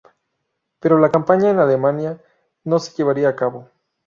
Pero la campaña en Alemania no se llevaría a cabo.